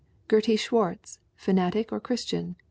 Gertie Swartz: Fanatic or Christian?